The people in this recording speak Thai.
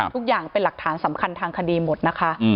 ทุกอย่างเป็นหลักฐานสำคัญทางคดีหมดนะคะ